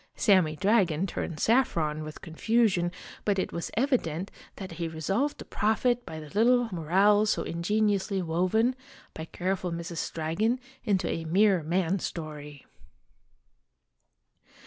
Sammy Dragon turned saffron with confusion, but it was evi dent that he resolved to profit by the little moral so ingeniously woven, by careful Mrs. Dragon, into a mere man story.